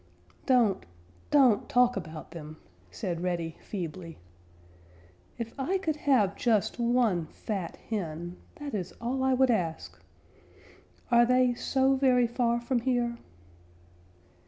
"Don't don't talk about them," said Reddy feebly. "If I could have just one fat hen that is all I would ask. Are they so very far from here?"